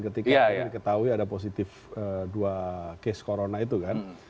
ketika diketahui ada positif dua case corona itu kan